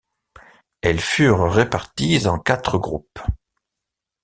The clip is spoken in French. Elles furent réparties en quatre groupes.